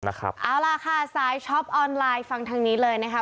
นะครับเอาล่ะค่ะซ้ายช็อปออนไลน์ฟังทางนี้เลยนะครับ